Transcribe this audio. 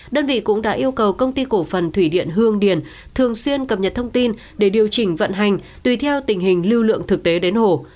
đơn vị cũng đã yêu cầu công ty cổ phần thủy điện hương điền thường xuyên cập nhật thông tin để điều chỉnh vận hành tùy theo tình hình lưu lượng thực tế đến hồ